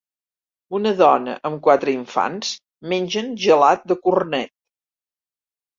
Una dona amb quatre infants mengen gelat de cornet.